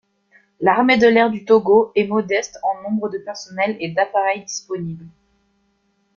L'Armée de l'air du Togo est modeste en nombre de personnels et d'appareils disponibles.